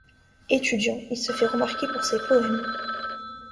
Étudiant, il se fait remarquer pour ses poèmes.